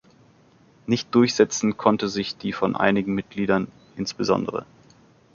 Nicht durchsetzen konnte sich die von einigen Mitgliedern, insbes.